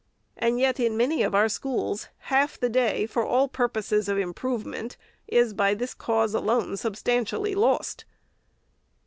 And yet, in many of our schools, half the day, for all purposes of improvement, is, by this cause alone, substantially lost.